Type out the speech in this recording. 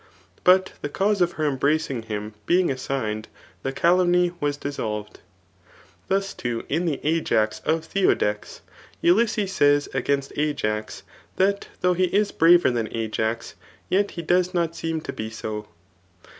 But the cause of her embracing him being assigned, the calumny was cKssoIved. Thus too, in the Ajax of Theodectes, Ulysses says against Ajax, . that tliough he is braver than Ajax, yet he does not seem to be so.